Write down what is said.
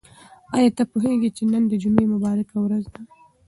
آیا ته پوهېږې چې نن د جمعې مبارکه ورځ ده؟